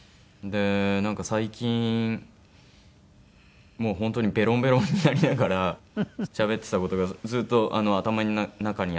最近もう本当にベロンベロンになりながらしゃべってた事がずっと頭の中にあって。